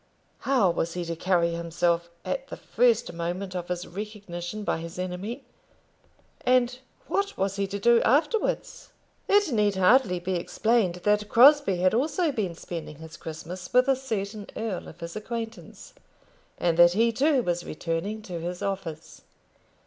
How was he to carry himself at the first moment of his recognition by his enemy, and what was he to do afterwards? It need hardly be explained that Crosbie had also been spending his Christmas with a certain earl of his acquaintance, and that he too was returning to his office.